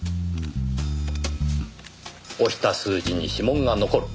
押した数字に指紋が残る。